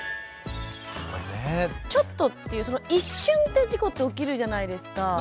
ちょっとっていうその一瞬で事故って起きるじゃないですか。